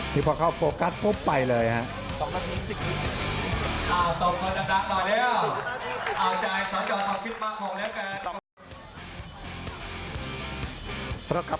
ที่พอเข้าโฟกัสปุ๊บไปเลยฮะ